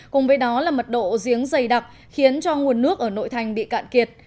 cùng với đó là mật độ giếng dày đặc khiến cho nguồn nước ở nội thành bị cạn kiệt